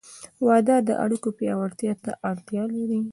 • واده د اړیکو پیاوړتیا ته اړتیا لري.